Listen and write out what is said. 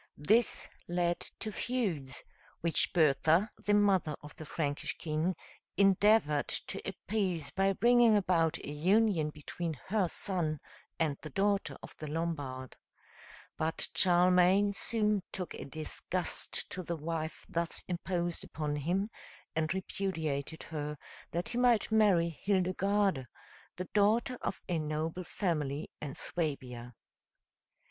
This led to feuds, which Bertha, the mother of the Frankish king, endeavored to appease by bringing about a union between her son and the daughter of the Lombard. But Charlemagne soon took a disgust to the wife thus imposed upon him, and repudiated her, that he might marry Hildegarde, the daughter of a noble family in Suabia.